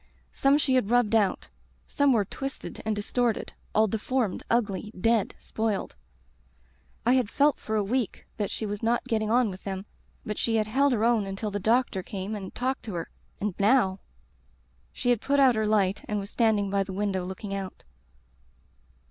Some she had rubbed out, some were twisted and distorted. All deformed, ugly, dead, spoiled. I had felt for a week that she was not getting on with them, but she had held her own until the doctor came and talked to her, and now "She had put out her light and was stand ing by the window looking out.